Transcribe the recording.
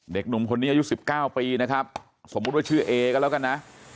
เด็กหนุ่มคนนี้อายุ๑๙ปีนะครับสมมุติว่าชื่อเอก็แล้วกันนะ